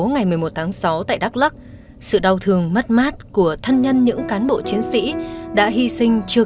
ngày một mươi một tháng sáu tại đắk lắc sự đau thương mất mát của thân nhân những cán bộ chiến sĩ đã hy sinh chưa